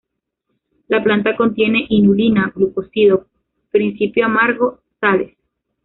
La planta contiene inulina, glucósido, principio amargo, sales.